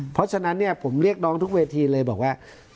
เพราะฉะนั้นเนี่ยผมเรียกน้องทุกเวทีเลยบอกว่า